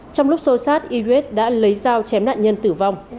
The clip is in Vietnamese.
trong lúc sâu sát yves đã lấy dao chém nạn nhân tử vong